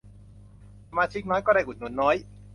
สมาชิกน้อย ก็ได้อุดหนุนน้อย